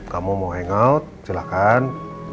kamu mau hangout silahkan